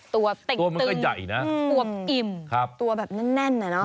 ตัวติ๊กตึงตัวอิ่มตัวแบบแน่นเนี่ยเนอะ